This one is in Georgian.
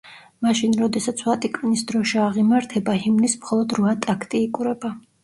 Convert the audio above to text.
მაშინ როდესაც ვატიკანის დროშა აღიმართება, ჰიმნის მხოლოდ რვა ტაქტი იკვრება.